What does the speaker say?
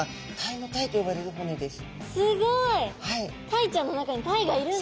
えすごい！